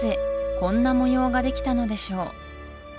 こんな模様ができたのでしょう？